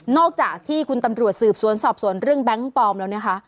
อกจากที่คุณตำรวจสืบสวนสอบสวนเรื่องแก๊งปลอมแล้วนะคะ